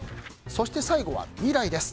そして最後は未来です。